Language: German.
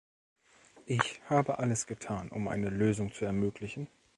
Ich habe alles getan, um eine Lösung zu ermöglichen.